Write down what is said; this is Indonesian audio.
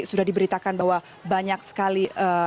sudah diberitakan bahwa banyak sekali